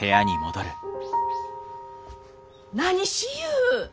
何しゆう？